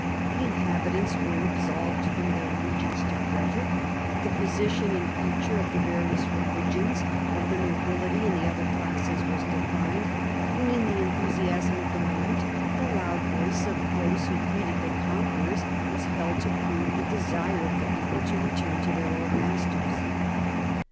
The inhabitants were absolved from their allegiance to Frederick ; the position in future of the various religions, of the nobility and the other classes, was defined ; and in the enthusiasm of the moment the loud voice of those who greeted the conquerors was held to prove the desire of the people to return to their old masters.